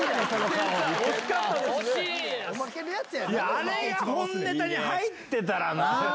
あれが本ネタに入ってたらな。